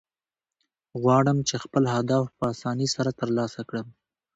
غواړم، چي خپل هدف په آساني سره ترلاسه کړم.